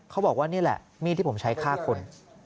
เขาบอกว่านี่แหละมีดที่ผมใช้ฆ่าคน